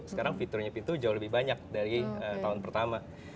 sekarang fiturnya pintu jauh lebih banyak dari tahun pertama